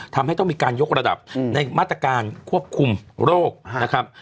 ทำให้ต้องมีการยกระดับในมาตรการควบคุมโรคนะครับ